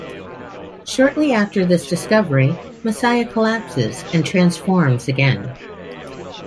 Shortly after this discovery, Masaya collapses and transforms again.